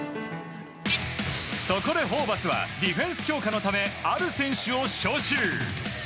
そこでホーバスはディフェンス強化のためある選手を招集。